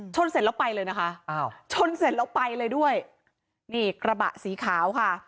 เสร็จแล้วไปเลยนะคะอ้าวชนเสร็จแล้วไปเลยด้วยนี่กระบะสีขาวค่ะ